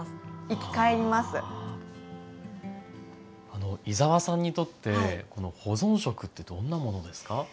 あの井澤さんにとって保存食ってどんなものですか？